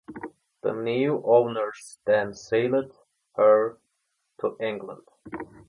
The new owners then sailed her to England.